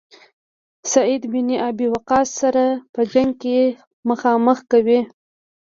سعد بن ابي وقاص سره په جنګ کې مخامخ کوي.